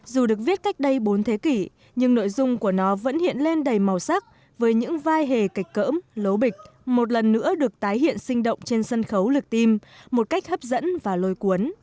dù được viết cách đây bốn thế kỷ nhưng nội dung của nó vẫn hiện lên đầy màu sắc với những vai cỡm lố bịch một lần nữa được tái hiện sinh động trên sân khấu lực tim một cách hấp dẫn và lôi cuốn